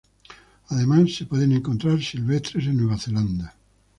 Además, se pueden encontrar silvestres en Nueva Zelanda.